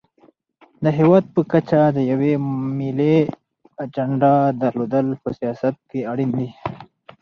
د هېواد په کچه د یوې ملي اجنډا درلودل په سیاست کې اړین دي.